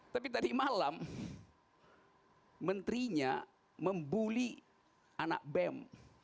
tapi tadi malam menterinya membuli anak bem